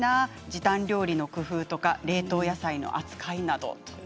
時短料理の工夫とか冷凍野菜の扱いなど。